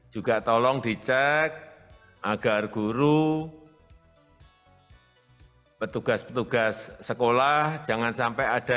juga tolong dicek agar guru petugas petugas sekolah jangan sampai ada